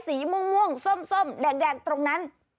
สีม่วงส้มแดงตรงนั้น